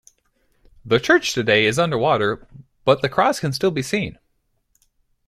The church today is underwater but the cross can still be seen.